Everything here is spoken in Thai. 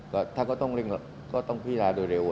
ก็นั่งเตรียมไว้แล้วก็ต้องพินาธุ์ด้วยเร็ว